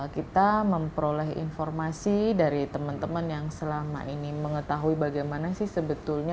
kita memperoleh informasi dari teman teman yang selama ini mengetahui bagaimana sih sebetulnya